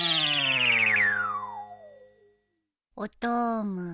「おとーむ」